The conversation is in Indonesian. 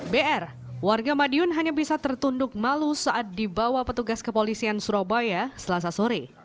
br warga madiun hanya bisa tertunduk malu saat dibawa petugas kepolisian surabaya selasa sore